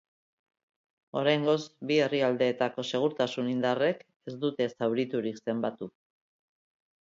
Oraingoz, bi herrialdeetako segurtasun indarrek ez dute zauriturik zenbatu.